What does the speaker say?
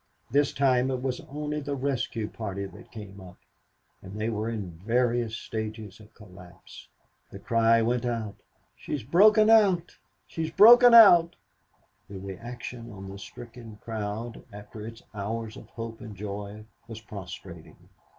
This time it was only the rescue party that came up, and they were in various stages of collapse. The cry went out, "She has broken out!" "She has broken out!" The reaction on the stricken crowd, after its hours of hope and joy, was prostrating.